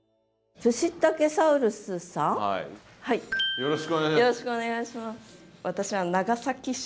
よろしくお願いします。